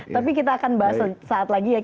tapi kita akan bahas saat lagi ya